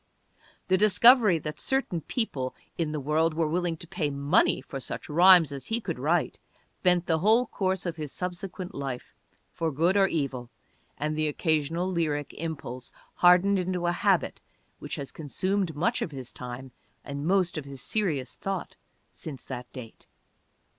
The discovery that certain people in the world were willing to pay money for such rhymes as he could write bent the whole course of his subsequent life, for good or evil, and the occasional lyric impulse hardened into a habit which has consumed much of his time and most of his serious thought since that date.